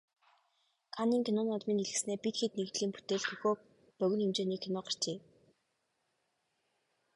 Каннын кино наадмын дэлгэцнээ "Бид хэд" нэгдлийн бүтээл "Хөхөө" богино хэмжээний кино гарчээ.